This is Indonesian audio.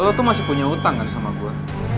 lo tuh masih punya hutang kan sama gue